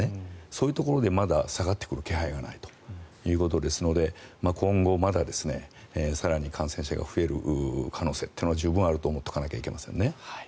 そういうところでまだ下がってくる気配がないということですので今後、まだ更に感染者が増える可能性というのは十分あると思っておかなきゃいけませんね。